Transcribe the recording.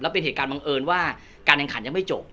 เป็นเหตุการณ์บังเอิญว่าการแข่งขันยังไม่จบ